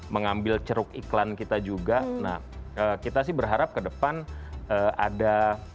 mengambil ceruk iklan kita juga nah kita sih berharap ke depan ada